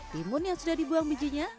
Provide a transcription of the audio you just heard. timun yang sudah dibuang bijinya